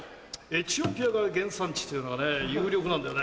エチオピアが原産地というのが有力なんだよね。